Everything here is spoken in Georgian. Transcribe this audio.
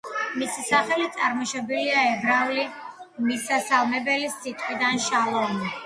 მისი სახელი წარმოშობილია ებრაული მისასალმებელი სიტყვიდან „შალომ“.